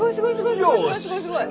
すごいすごい。